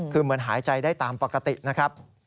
คือเหมือนหายใจได้ตามปกตินะครับ